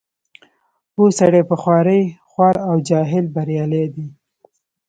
پوه سړی په خوارۍ خوار او جاهل بریالی دی.